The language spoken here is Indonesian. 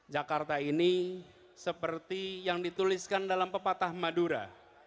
jakarta ini seperti yang dituliskan dalam pepatah madura